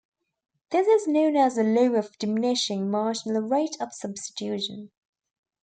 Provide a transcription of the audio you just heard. This is known as the law of diminishing marginal rate of substitution.